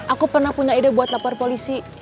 aku pernah punya ide buat lapor polisi